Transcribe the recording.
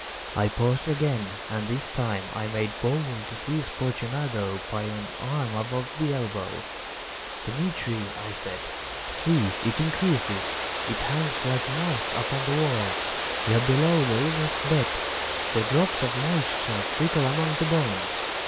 I paused again, and this time I made bold to seize Fortunato by an arm above the elbow. "The nitre!" I said: "see, it increases. It hangs like moss upon the vaults. We are below the river's bed. The drops of moisture trickle among the bones.